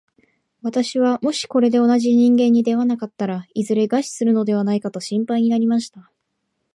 私はもしこれで同じ人間に出会わなかったら、いずれ餓死するのではないかと心配になりました。